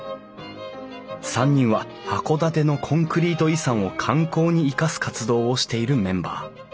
３人は函館のコンクリート遺産を観光に生かす活動をしているメンバー。